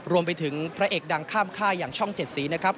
รวมไปถึงพระเอกดังข้ามค่ายอย่างช่องเจ็ดสีนะครับ